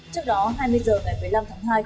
trước đó hai mươi h ngày một mươi năm tháng hai